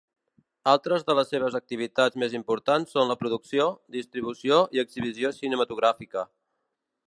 Altres de les seves activitats més importants són la producció, distribució i exhibició cinematogràfica.